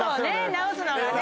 直すのがね。